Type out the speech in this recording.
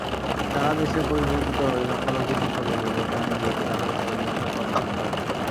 সারা দেশে পরিকল্পিতভাবে সংখ্যালঘু সম্প্রদায়কে ভোটদানে বিরত রাখার যড়যন্ত্র করা হয়।